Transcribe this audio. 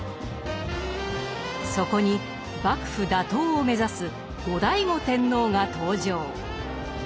そこに幕府打倒を目指す後醍醐天皇が登場。